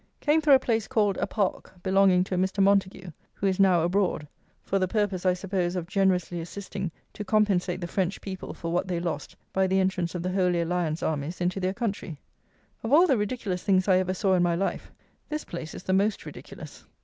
Came through a place called "a park" belonging to a Mr. MONTAGUE, who is now abroad; for the purpose, I suppose, of generously assisting to compensate the French people for what they lost by the entrance of the Holy Alliance Armies into their country. Of all the ridiculous things I ever saw in my life this place is the most ridiculous.